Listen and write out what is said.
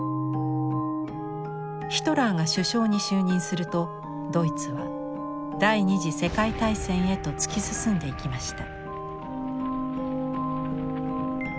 ヒトラーが首相に就任するとドイツは第２次世界大戦へと突き進んでいきました。